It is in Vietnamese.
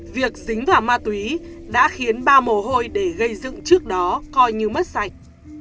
việc dính vào ma túy đã khiến ba mồ hôi để gây dựng trước đó coi như mất sạch